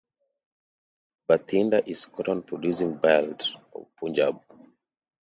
Bathinda is cotton producing belt of Punjab.